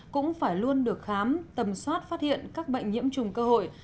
cũng phải luôn được khám tầm soát phát hiện các bệnh nhiễm trùng cơ hội